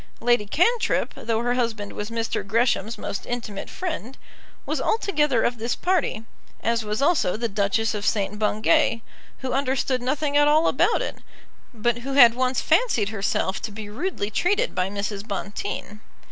Lady Cantrip, though her husband was Mr. Gresham's most intimate friend, was altogether of this party, as was also the Duchess of St. Bungay, who understood nothing at all about it, but who had once fancied herself to be rudely treated by Mrs. Bonteen.